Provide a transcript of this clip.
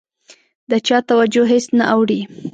د چا توجه هېڅ نه اوړي.